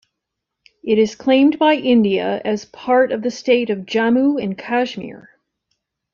It is claimed by India as part of the state of Jammu and Kashmir.